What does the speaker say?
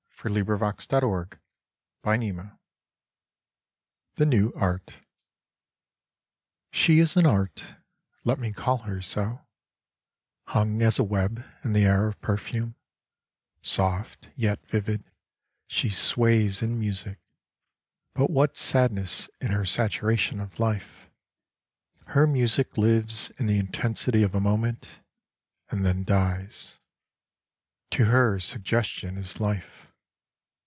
FROM '^ PILGRIMAGE/' (1909) 83 "THE NEW ART" She is an art (let me call her so) Hung as a web in the air of perfume, Soft yet vivid, she sways in music : (But what sadness in her saturation of life !) Her music lives in the intensity of a moment, and then dies ; To her suggestion is life.